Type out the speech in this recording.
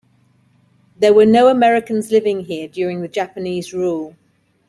There were no Americans living here during the Japanese rule.